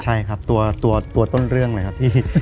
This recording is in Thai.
ใช่ครับตัวต้นเรื่องเลยครับพี่